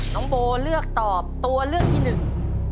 น้องโบเลือกตอบตัวเลือกที่หนึ่ง